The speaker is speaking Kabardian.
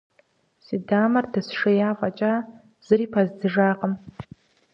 Си дамэр дэсшея фӀэкӀа, зыри пэздзыжакъым.